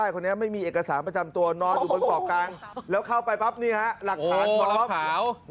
เข้ามาได้ถึงเกาะกลาง